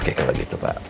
oke kalau gitu pak